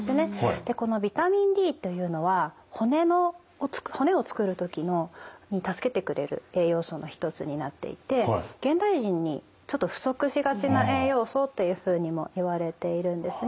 でこのビタミンＤというのは骨を作る時に助けてくれる栄養素の一つになっていて現代人にちょっと不足しがちな栄養素っていうふうにもいわれているんですね。